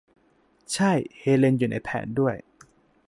ใช่ เฮเลนอยู่ในแผนด้วย